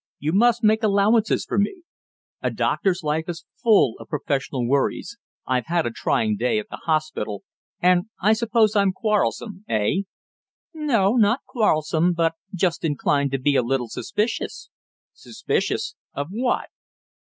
You must make allowances for me. A doctor's life is full of professional worries. I've had a trying day at the hospital, and I suppose I'm quarrelsome eh?" "No, not quarrelsome, but just inclined to be a little suspicious." "Suspicious? Of what?"